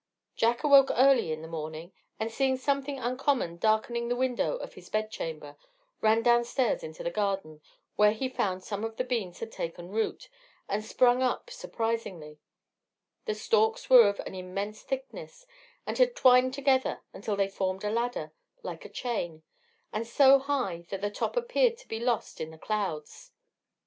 Jack awoke early in the morning, and seeing something uncommon darkening the window of his bedchamber, ran downstairs into the garden, where he found some of the beans had taken root, and sprung up surprisingly: the stalks were of an immense thickness, and had twined together until they formed a ladder like a chain, and so high that the top appeared to be lost in the clouds.